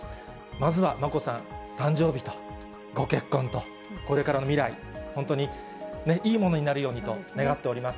まずは眞子さん、誕生日とご結婚と、これからの未来、本当にいいものになるようにと願っております。